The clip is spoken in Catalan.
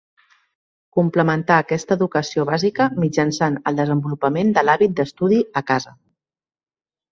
Complementà aquesta educació bàsica mitjançant el desenvolupament de l'hàbit d'estudi a casa.